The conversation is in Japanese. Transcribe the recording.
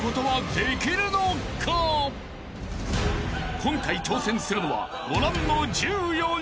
［今回挑戦するのはご覧の１４人］